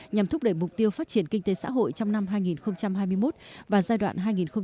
nhằm thúc đẩy mục tiêu phát triển kinh tế xã hội trong năm hai nghìn hai mươi một và giai đoạn hai nghìn hai mươi một hai nghìn ba mươi